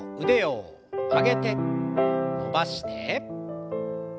腕を曲げて伸ばして。